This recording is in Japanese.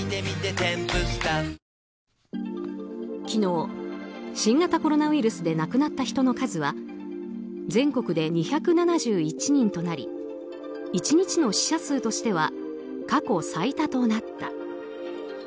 昨日、新型コロナウイルスで亡くなった人の数は全国で２７１人となり１日の死者数としては過去最多となった。